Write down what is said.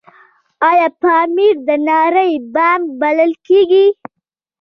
آیا پامیر د نړۍ بام بلل کیږي؟